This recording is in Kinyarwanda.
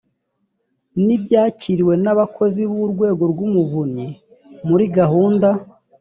n ibyakiriwe n abakozi b urwego rw umuvunyi muri gahunda